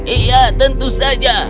iya tentu saja